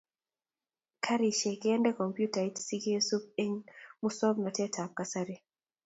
Garisiek kende kompyutait sikesubi eng muswoknatetab kasari